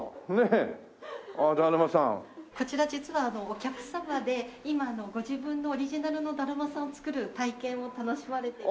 こちら実はお客様で今ご自分のオリジナルのだるまさんを作る体験を楽しまれていて。